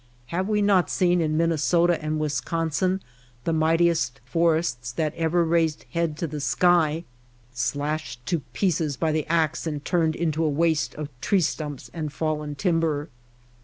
Have we not seen in Minne sota and Wisconsin the mightiest forests that ever raised head to the sky slashed to pieces by the axe and turned into a waste of tree stumps and fallen timber